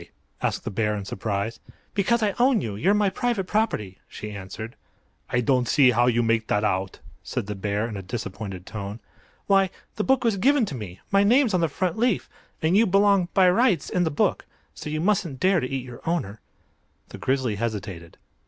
asked the bear, in surprise. "Because I own you. You're my private property," she answered. "I don't see how you make that out," said the bear, in a disappointed tone. "Why, the book was given to me; my name's on the front leaf. And you belong, by rights, in the book. So you mustn't dare to eat your owner!" The Grizzly hesitated.